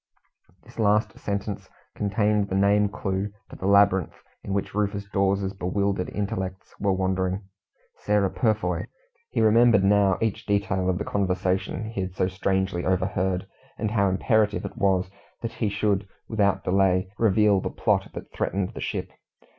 This last sentence contained the name clue to the labyrinth in which Rufus Dawes's bewildered intellects were wandering. "Sarah Purfoy!" He remembered now each detail of the conversation he had so strangely overheard, and how imperative it was that he should, without delay, reveal the plot that threatened the ship.